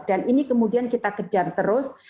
dan ini kemudian kita kejar terus